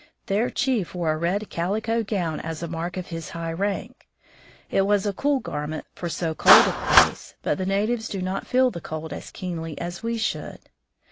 Their chief wore a red calico gown as a mark of his high rank. It was a cool garment for so cold a place, but the natives do not feel the cold as keenly as we should.